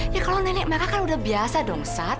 ya kalau nenek marah kan sudah biasa dong sat